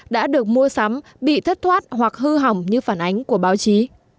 đã được mua sắm bị thất thoát hoặc hư hỏng như phản ánh của báo chí